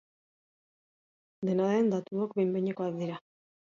Dena den, datuok behin-behinekoak dira.